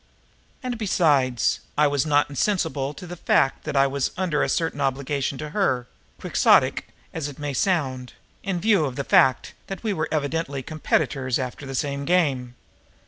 And, besides, I was not insensible to the fact that I was under a certain obligation to her, quixotic as it may sound, in view of the fact that we were evidently competitors after the same game.